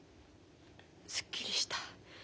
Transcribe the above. すっきりした。